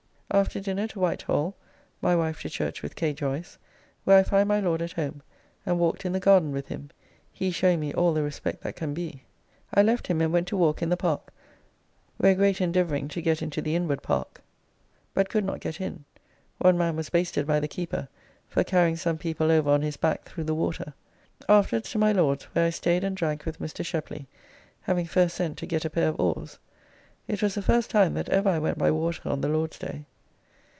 After dinner to White Hall (my wife to church with K. Joyce), where I find my Lord at home, and walked in the garden with him, he showing me all the respect that can be. I left him and went to walk in the Park, where great endeavouring to get into the inward Park, [This is still railed off from St. James's Park, and called the Enclosure.] but could not get in; one man was basted by the keeper, for carrying some people over on his back through the water. Afterwards to my Lord's, where I staid and drank with Mr. Sheply, having first sent to get a pair of oars. It was the first time that ever I went by water on the Lord's day.